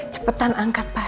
cepetan angkat pak